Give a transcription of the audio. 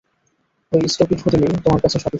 ঐ স্টুপিড হোটেলই তোমার কাছে সবকিছু!